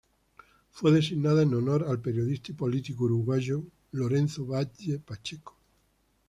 Fue designada en honor al periodista y político uruguayo Lorenzo Batlle Pacheco.